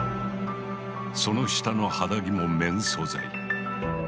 その下の肌着も綿素材。